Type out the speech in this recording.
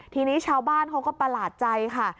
ทีนี้ชาวบ้านเขาก็ประหลาดใจค่ะ